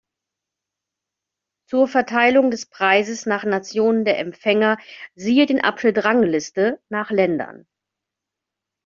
Zur Verteilung des Preises nach Nationen der Empfänger siehe den Abschnitt Rangliste nach Ländern.